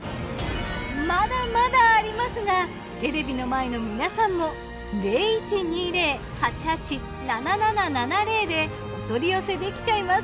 まだまだありますがテレビの前の皆さんもでお取り寄せできちゃいます。